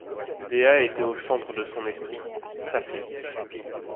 Dea était au centre de son esprit, sacrée.